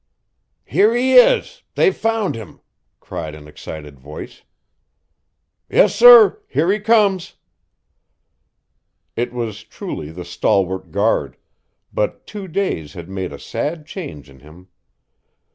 "Here he is! they've found him," cried an excited voice. "Yes, sir! here he comes!" It was truly the stalwart guard; but two days had made a sad change in him.